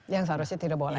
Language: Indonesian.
yang seharusnya tidak boleh